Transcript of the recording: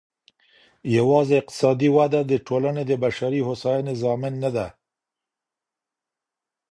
يواځې اقتصادي وده د ټولني د بشپړې هوسايني ضامن نه ده.